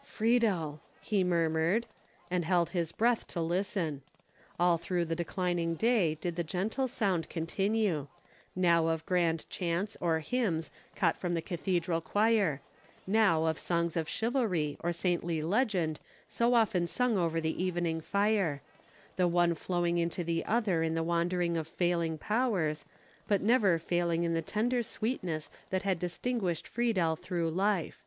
"Friedel!" he murmured, and held his breath to listen. All through the declining day did the gentle sound continue; now of grand chants or hymns caught from the cathedral choir, now of songs of chivalry or saintly legend so often sung over the evening fire; the one flowing into the other in the wandering of failing powers, but never failing in the tender sweetness that had distinguished Friedel through life.